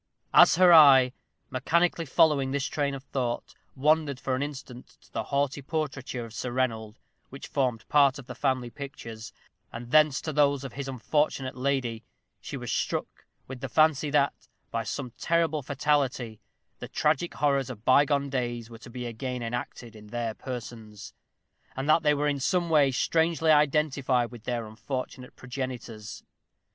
As her eye, mechanically following this train of thought, wandered for an instant to the haughty portraiture of Sir Reginald, which formed part of the family pictures, and thence to those of his unfortunate lady, she was struck with the fancy that, by some terrible fatality, the tragic horrors of bygone days were to be again enacted in their persons, and that they were in some way strangely identified with their unfortunate progenitors.